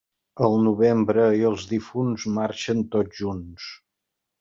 El novembre i els difunts marxen tots junts.